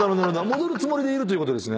戻るつもりでいるということですね。